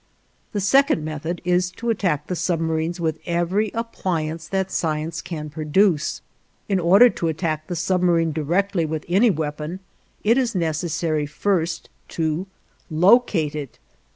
The second method is to attack the submarines with every appliance that science can produce. In order to attack the submarine directly with any weapon, it is necessary first to locate it.